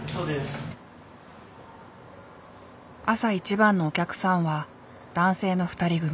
朝一番のお客さんは男性の２人組。